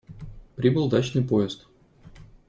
Прибыл дачный поезд.